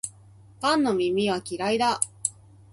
パンの耳は嫌いだ